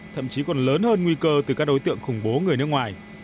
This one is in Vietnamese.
thậm chí còn lớn hơn nguy cơ từ các đối tượng khủng bố người nước ngoài